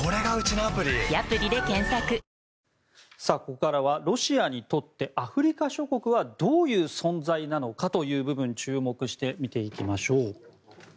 ここからはロシアにとってアフリカ諸国はどういう存在なのかという部分に注目して見ていきましょう。